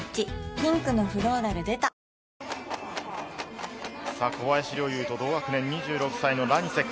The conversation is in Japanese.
ピンクのフローラル出た小林陵侑と同学年２６歳のラニセク。